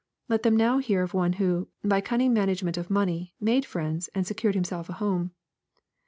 Let them now hear of one who, by cunning manage ment of money, made friends, and secured himself a home.